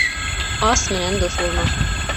Ас менән дуҫ булма.